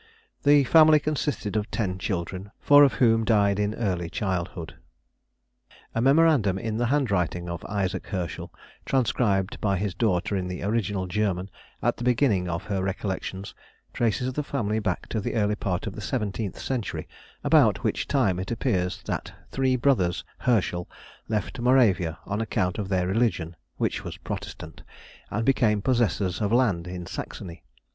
The family consisted of ten children, four of whom died in early childhood. A memorandum in the handwriting of Isaac Herschel, transcribed by his daughter in the original German at the beginning of her Recollections, traces the family back to the early part of the seventeenth century, about which time, it appears that three brothers Herschel left Moravia on account of their religion (which was Protestant), and became possessors of land in Saxony.